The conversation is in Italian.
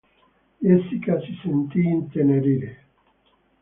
Jessica si sentì intenerire.